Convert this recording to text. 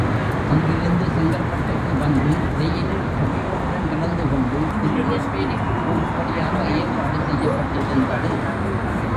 அங்கிருந்து செங்கல்பட்டுக்கு வந்து ரெயிலில் சபையோருடன் கலந்துகொண்டு திருநெல்வேலிக்குப் போகும்படியாக ஏற்பாடு செய்யப்பட்டிருந்தது.